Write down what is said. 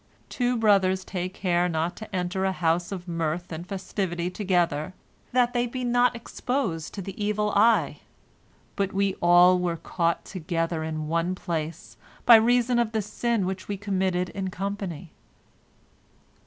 Two brothers take care not to enter a house of mirth and festivity together, that they be not exposed to the evil eye, but we all were caught together in one place, by reason of the sin which we committed in company."